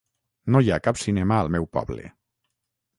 No hi ha cap cinema al meu poble.